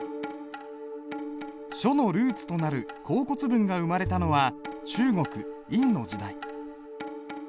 書のルーツとなる甲骨文が生まれたのは中国殷の時代。